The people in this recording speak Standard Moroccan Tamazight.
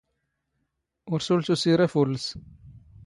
ⵓⵔ ⵙⵓⵍ ⵜⵓⵙⵉⵔ ⴰⴼⵓⵍⵍⵓⵙ.